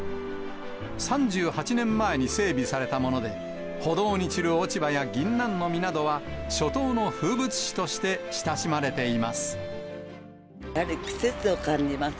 ３８年前に整備されたもので、歩道に散る落ち葉やギンナンの実などは、初冬の風物詩として親し季節を感じます。